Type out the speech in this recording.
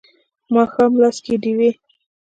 د ماښام لاس کې ډیوې